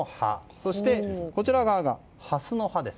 そして、こちら側がハスの葉です。